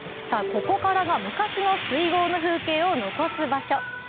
ここからが昔の水郷の風景を残す場所